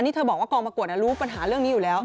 นี่เธอบอกว่ากองประกวดรู้ปัญหาเรื่องนี้อยู่แล้ว